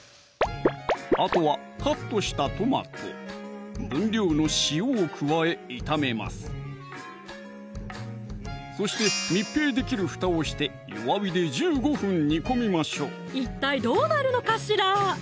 あとはカットしたトマト分量の塩を加え炒めますそして密閉できるふたをして弱火で１５分煮込みましょう一体どうなるのかしら？